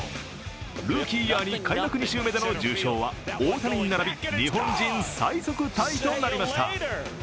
ルーキーイヤーに開幕２周目での受賞は大谷に並び、日本人最速タイとなりました。